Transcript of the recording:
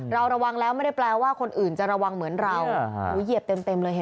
เราระวังแล้วไม่ได้แปลว่าคนอื่นจะระวังเหมือนเราเห็นไหมล่ะ